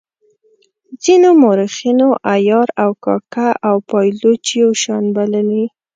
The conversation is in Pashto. ځینو مورخینو عیار او کاکه او پایلوچ یو شان بللي.